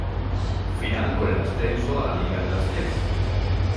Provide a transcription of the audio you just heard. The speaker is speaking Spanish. Final por el ascenso a la Liga de Ascenso